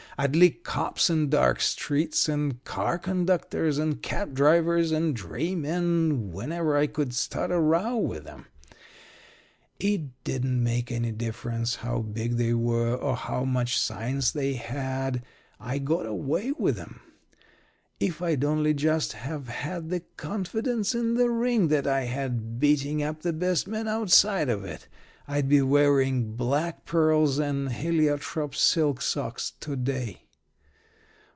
I'd lick cops in dark streets and car conductors and cab drivers and draymen whenever I could start a row with 'em. It didn't make any difference how big they were, or how much science they had, I got away with 'em. If I'd only just have had the confidence in the ring that I had beating up the best men outside of it, I'd be wearing black pearls and heliotrope silk socks to day.